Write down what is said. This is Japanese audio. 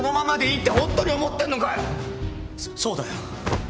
そそうだよ。